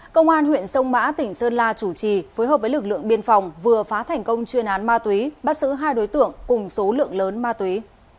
công an huyện sông mã tỉnh sơn la chủ trì phối hợp với lực lượng biên phòng vừa phá thành công chuyên án ma túy bắt giữ hai đối tượng cùng số lượng lớn ma túy